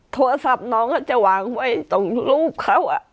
โทรศัพท์น้องจะวางไว้ตรงรูปเขา